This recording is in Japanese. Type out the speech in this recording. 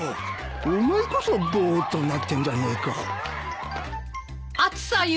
お前こそボーッとなってんじゃねえか。